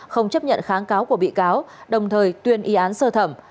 không chấp nhận kháng cáo của bị cáo đồng thời tuyên y án sơ thẩm